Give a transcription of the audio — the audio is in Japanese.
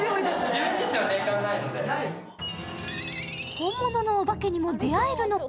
本物のお化けにも出会えるのか？